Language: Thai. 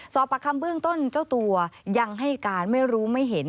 ประคำเบื้องต้นเจ้าตัวยังให้การไม่รู้ไม่เห็น